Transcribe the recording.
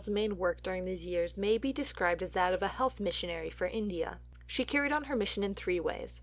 III Miss Nightingale's main work during these years may be described as that of a Health Missionary for India. She carried on her mission in three ways.